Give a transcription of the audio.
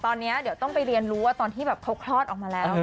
ตอนนี้เดี๋ยวต้องไปเรียนรู้ว่าตอนที่แบบเขาคลอดออกมาแล้ว